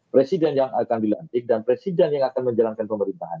presiden yang akan dilantik dan presiden yang akan menjalankan pemerintahan